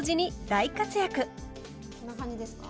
こんな感じですか？